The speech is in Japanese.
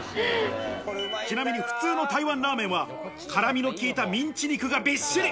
ちなみに普通の台湾ラーメンは、絡みの効いたミンチ肉がびっしり！